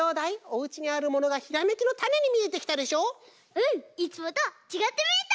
うんいつもとちがってみえた！